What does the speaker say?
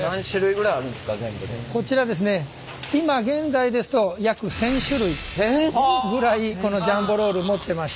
こちらですね今現在ですと約１，０００種類ぐらいこのジャンボロール持ってまして。